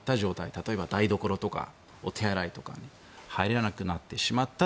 例えば、台所とかお手洗いとかに入れなくなってしまった。